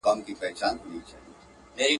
چي په هرځای کي مي وغواړی او سېږم.